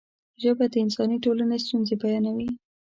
ژبه د انساني ټولنې ستونزې بیانوي.